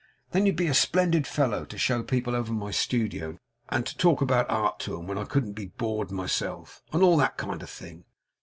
Then you'd be a splendid fellow to show people over my studio, and to talk about Art to 'em, when I couldn't be bored myself, and all that kind of thing.